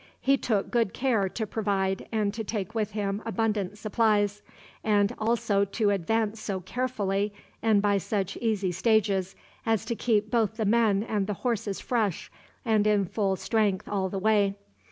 He took good care to provide and to take with him abundant supplies, and also to advance so carefully and by such easy stages as to keep both the men and the horses fresh and in full strength all the way.